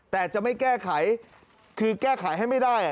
แต่จะไม่แก้ไขคือแก้ไขให้ไม่ได้